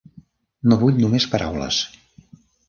No vull només paraules.